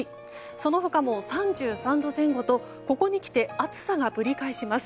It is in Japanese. その他も３３度前後とここにきて暑さがぶり返します。